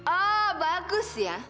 oh bagus ya